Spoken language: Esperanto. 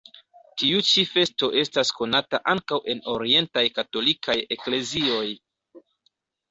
Tiu ĉi festo estas konata ankaŭ en orientaj katolikaj eklezioj.